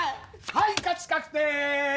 はい勝ち確定！